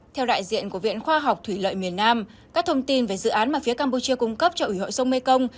theo đại diện của viện khoa học thủy lợi miền nam các thông tin về dự án mà phía campuchia cung cấp cho ủy hội sông mekong